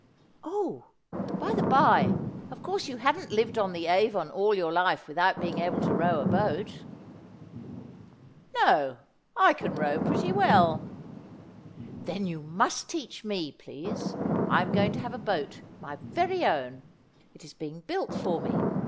Oh, by the bye, of course you haven't lived on the Avon all your life without being able to row a boat ?'' No ; I can row pretty well.' ' Then you must teach me, please. I am going to have a boat, my very own. It is being built for me.